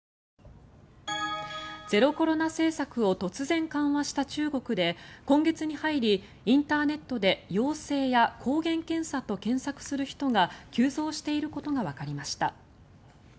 ゼロコロナ政策を突然緩和した中国で今月に入り、インターネットで「陽性」や「抗原検査」と検索する人が急増していることがわかりました。